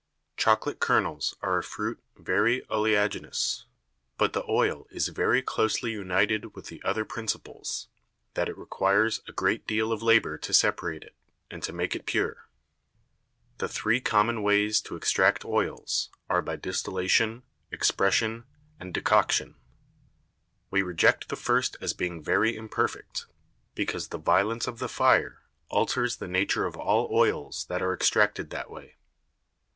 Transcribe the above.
Chocolate Kernels are a Fruit very oleaginous, but the Oil is very closely united with the other Principles, that it requires a great deal of Labour to separate it, and to make it pure. The three common Ways to extract Oils, are by Distillation, Expression, and Decoction; we reject the first as being very imperfect, because the Violence of the Fire alters the Nature of all Oils that are extracted that way.